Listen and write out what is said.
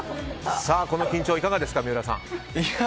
この緊張いかがですか三浦さん。